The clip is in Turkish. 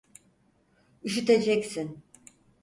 Üşüteceksin.